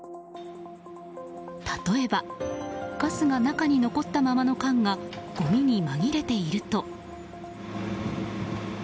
例えばガスが中に残ったままの缶がごみに紛れていると。